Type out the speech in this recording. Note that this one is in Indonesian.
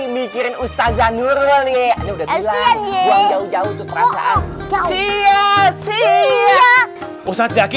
mikirin ustazan nurul ya udah bilang jauh jauh perasaan siap siap usah jaki